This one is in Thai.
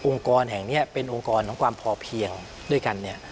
องค์กรแห่งนี้เป็นองค์กรของความพอเพียงด้วยกัน